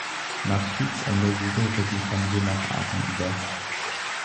Nach Kriegsende siedelte die Familie nach Aachen über.